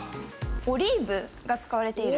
オリーブが使われている。